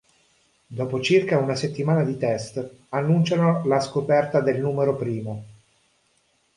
Dopo circa una settimana di test annunciano la scoperta del numero primo.